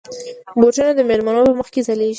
بوټونه د مېلمنو په مخ کې ځلېږي.